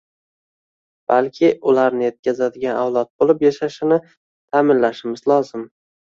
balki ularni ketkazadigan avlod bo‘lib yetishishini ta’minlashimiz lozim.